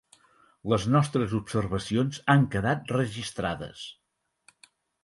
Les nostres observacions han quedat registrades.